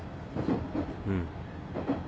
うん。